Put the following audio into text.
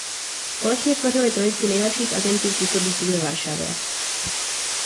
Společně tvořili trojici nejlepších agentů působících ve Varšavě.